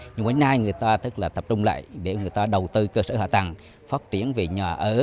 nhưng đến nay người ta tức là tập trung lại để người ta đầu tư cơ sở hạ tầng phát triển về nhà ở